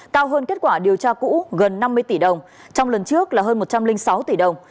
cao hơn kết quả điều tra cũ gần năm mươi tỷ đồng trong lần trước là hơn một trăm linh sáu tỷ đồng